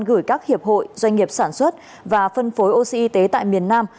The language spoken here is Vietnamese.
gửi các hiệp hội doanh nghiệp sản xuất và phân phối oxy y tế tại miền nam